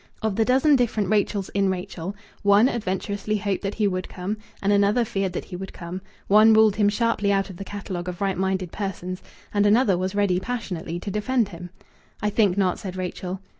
Of the dozen different Rachels in Rachel, one adventurously hoped that he would come, and another feared that he would come; one ruled him sharply out of the catalogue of right minded persons, and another was ready passionately to defend him. "I think not," said Rachel.